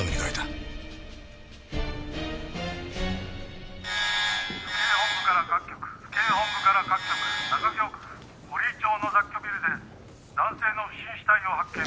「府警本部から各局府警本部から各局」「中京区堀井町の雑居ビルで男性の不審死体を発見」